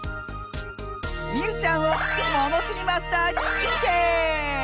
みうちゃんをものしりマスターににんてい！